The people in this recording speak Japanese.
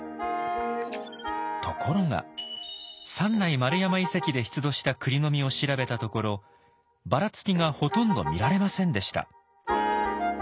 ところが三内丸山遺跡で出土したクリの実を調べたところばらつきがほとんど見られませんでした。